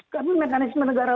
tapi mekanisme negara